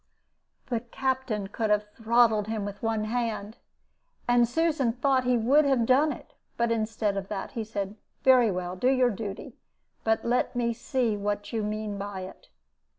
"The Captain could have throttled him with one hand, and Susan thought he would have done it. But, instead of that, he said, 'Very well; do your duty. But let me see what you mean by it.'